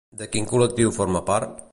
De quin col·lectiu forma part?